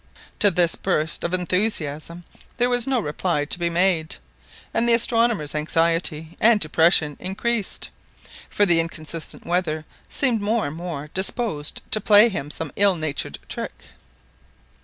To this burst of enthusiasm there was no reply to be made; and the astronomer's anxiety and depression increased, for the inconstant weather seemed more and more disposed to play him some ill natured trick.